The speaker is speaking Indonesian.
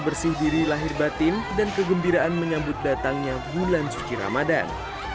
bersih diri lahir batin dan kegembiraan menyambut datangnya bulan suci ramadan